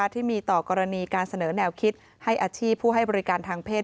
ที่มีต่อกรณีการเสนอแนวคิดให้อาชีพผู้ให้บริการทางเพศ